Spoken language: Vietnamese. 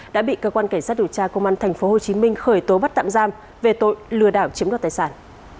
đã bị cơ quan cảnh sát điều tra công an tp hcm khởi tố bắt tạm giam về tội lừa đảo chiếm đoạt tài sản